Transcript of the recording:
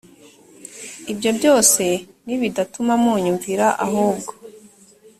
ibyo byose nibidatuma munyumvira ahubwo